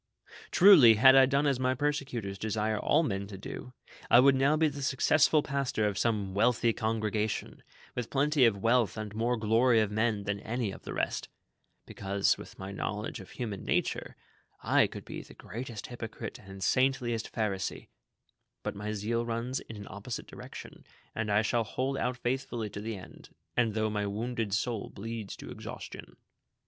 "Truly, had I done as my persecutors desire all men to do, I would now be the successful pastor of some Avealthy congregation, with plenty of wealth and more glory of men than any of the rest ; because, with my knowledge of hu man nature, I could l^e the greatest hypocrite and saintliest Pharisee ; but my zeal runs in an opposite direction, and I shall hold out faithfully to the end, and though my wounded soul bleeds to exhaustion.